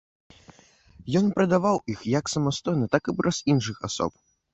Ён прадаваў іх як самастойна, так і праз іншых асоб.